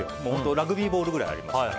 ラグビーボールぐらいあります。